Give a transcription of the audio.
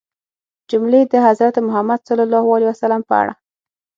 جملې د حضرت محمد ﷺ په اړه